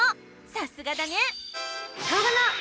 さすがだね！